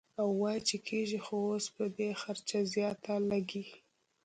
او وائي چې کيږي خو اوس به دې خرچه زياته لګي -